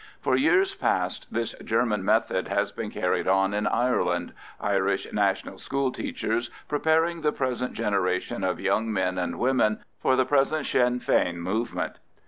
For years past this German method has been carried on in Ireland, Irish national school teachers preparing the present generation of young men and women for the present Sinn Fein movement.